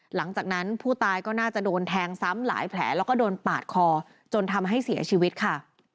หลังจากนั้นผู้ตายก็น่าจะโดนแทงซ้ำหลายแผลแล้วก็โดนปาดคอจนทำให้เสียชีวิตค่ะ